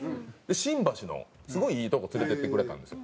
新橋のすごいいいとこ連れて行ってくれたんですよ。